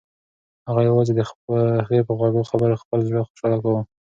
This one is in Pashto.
هغه یوازې د هغې په خوږو خبرو خپل زړه خوشحاله کاوه.